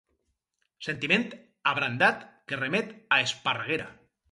Sentiment abrandat que remet a Esparraguera.